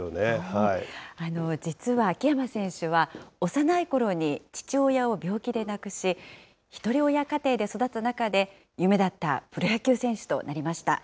実は秋山選手は幼いころに父親を病気で亡くし、ひとり親家庭で育つ中で、夢だったプロ野球選手となりました。